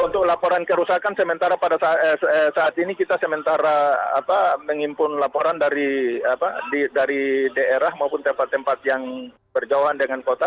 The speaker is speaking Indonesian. untuk laporan kerusakan sementara pada saat ini kita sementara mengimpun laporan dari daerah maupun tempat tempat yang berjauhan dengan kota